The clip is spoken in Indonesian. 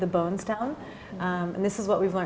kebosanku dan ini adalah apa yang kita pelajari